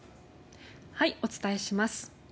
お伝えします。